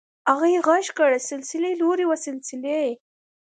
هغې غږ کړ سلسلې لورې وه سلسلې.